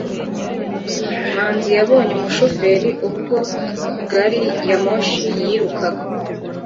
manzi yabonye umushoferi ubwo gari ya moshi yirukaga